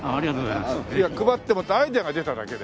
いや配ってもってアイデアが出ただけで。